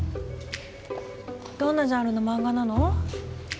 どんなジャンルの漫画なの？